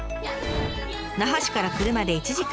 那覇市から車で１時間。